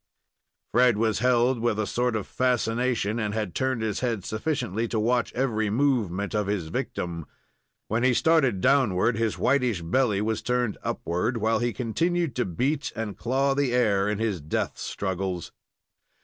Fred was held with a sort of fascination, and had turned his head sufficiently to watch every movement of his victim. Then he started downward, his whitish belly was turned upward, while he continued to beat and claw the air in his death struggles.